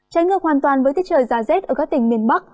trái ngược hoàn toàn với tết trời giá z ở các tỉnh miền bắc